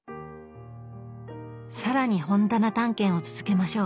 さらに本棚探検を続けましょう。